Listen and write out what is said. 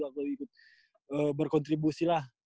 aku ikut berkontribusi lah